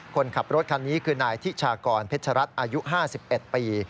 คนขับรถคันนี้คือนายทิชากรเพชรัตน์อายุ๕๑ปี